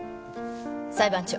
裁判長。